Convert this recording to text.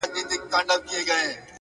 چي توري څڼي پرې راوځړوې!